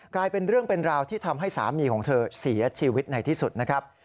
กลายเป็นเรื่องเป็นราวที่ทำให้สามีของเธอเสียชีวิตในที่สุดนะครับ